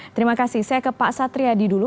terima kasih saya ke pak satri adi dulu